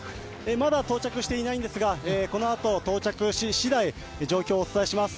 まだ到着していないんですがこのあと到着しだい状況をお伝えします。